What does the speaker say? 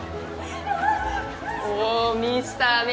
おぉミスター明